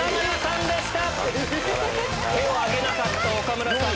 手を挙げなかった岡村さん